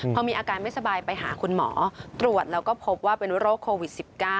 พอมีอาการไม่สบายไปหาคุณหมอตรวจแล้วก็พบว่าเป็นโรคโควิด๑๙